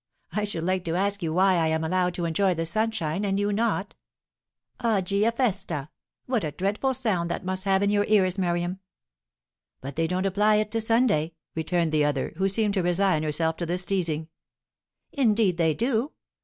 I should like to ask you why I am allowed to enjoy the sunshine, and you not? Oggi e festa! What a dreadful sound that must have in your ears Miriam!" "But they don't apply it to Sunday," returned the other, who seemed to resign herself to this teasing. "Indeed they do!"